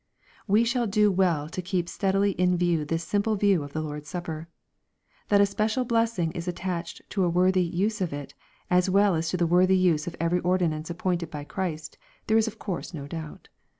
We shall do well to keep steadily in view this simple view of the Lord's supper. That a special blessing is attached to a worthy use of it, as well to the worthy use of every ordinance appointed by Christ, there is of course no doubt.